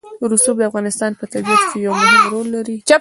رسوب د افغانستان په طبیعت کې یو مهم رول لري.